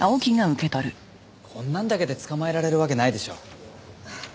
こんなんだけで捕まえられるわけないでしょ。